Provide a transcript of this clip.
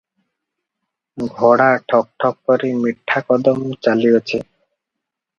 ଘୋଡ଼ା ଠକ୍ ଠକ୍ କରି ମିଠା କଦମ ଚାଲିଅଛି ।